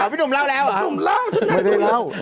อ้าวพี่หนุ่มเล่าแล้วเหรอครับหนุ่มเล่าฉันนั้นไม่ได้เล่า